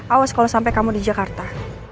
awas kalau sampai kamu di jakarta